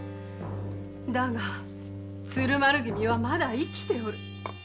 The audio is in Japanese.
だが鶴丸君はまだ生きておる。